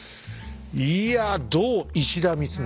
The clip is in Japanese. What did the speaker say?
いやどう石田三成。